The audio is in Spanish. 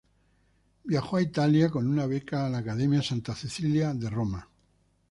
Viajó a Italia con una beca a la academia Santa Cecilia, de Roma.